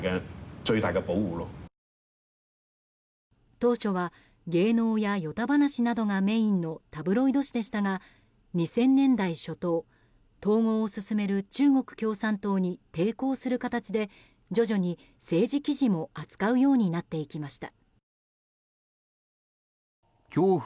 当初は芸能や与太話などがメインのタブロイド紙でしたが２０００年代初頭統合を進める中国共産党に抵抗する形で徐々に政治記事も扱うようになっていきました。